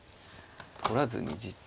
取らずにじっと。